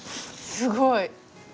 すごい。